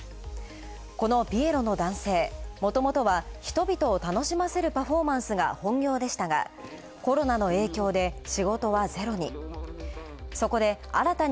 このピエロの男性もともとは人々を楽しませるパフォーマンスが本業でしたが、コロナの影響で仕事がゼロに。